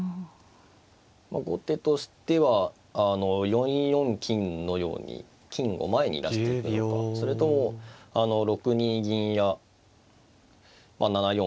まあ後手としては４四金のように金を前に出していくのかそれとも６二銀や７四歩などですね